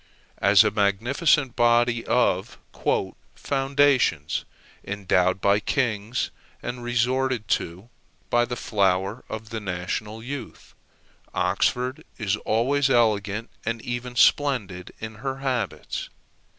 As a magnificent body of "foundations," endowed by kings, and resorted to by the flower of the national youth, Oxford is always elegant and even splendid in her habits.